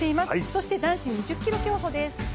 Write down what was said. そして男子２０ｋｍ競歩です。